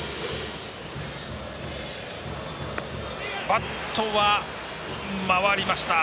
バットは回りました。